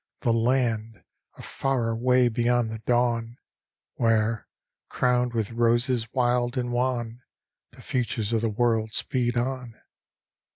the Land Of Far away beyond the dawn, Where, crowned with roses wild and wan, The Futures of the World speed on.